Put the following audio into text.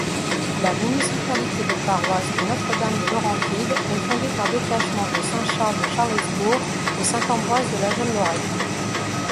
La municipalité de paroisse de Notre-Dame-des-Laurentides est fondée par détachement de Saint-Charles-de-Charlesbourg et Saint-Ambroise-de-la-Jeune-Lorette.